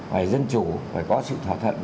phải dân chủ phải có sự thỏa thuận